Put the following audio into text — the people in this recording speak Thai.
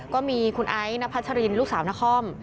ก็มีคุณไอ้นพัชรินลูกสาวนคร